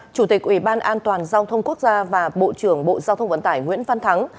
chủ tịch ủy ban an toàn giao thông quốc gia và bộ trưởng bộ giao thông vận tải nguyễn văn thắng